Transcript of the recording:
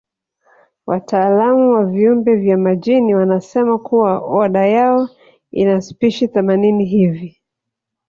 Wataalamu wa viumbe vya majini wanasema kuwa oda yao ina spishi themanini hivi